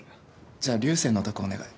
じゃあ流星の卓お願い。